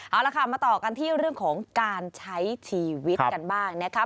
เอาละค่ะมาต่อกันที่เรื่องของการใช้ชีวิตกันบ้างนะคะ